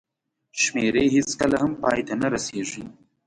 شمېرې هېڅکله هم پای ته نه رسېږي.